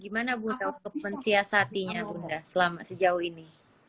gimana bunda untuk mensiasatinya bunda sejauh ini